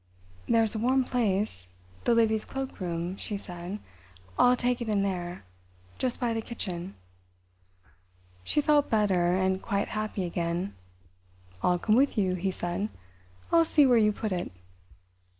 "There's a warm place—the ladies' cloak room," she said. "I'll take it in there—just by the kitchen." She felt better, and quite happy again. "I'll come with you," he said. "I'll see where you put it."